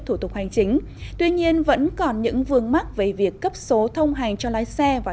thủ tục hành chính tuy nhiên vẫn còn những vương mắc về việc cấp số thông hành cho lái xe và